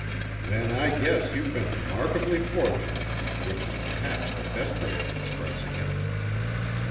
"Then I guess you've been remarkably fortunate, which is perhaps the best way of expressing it."